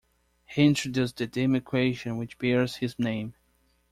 He introduced the Dym equation, which bears his name.